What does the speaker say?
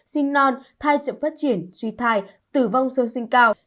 sinh non thai chậm phát triển suy thai tử vong sơ sinh cao